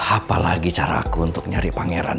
apalagi cara aku untuk nyari pangeran